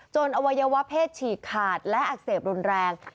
อวัยวะเพศฉีกขาดและอักเสบรุนแรง